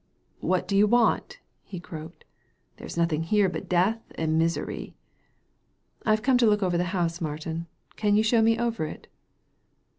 " What do you want ?" he croaked. There is nothing here but death and misery." " I've come to look at the house, Martin. Can you show me over it